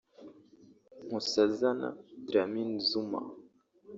Nkosazana Dlamini-Zuma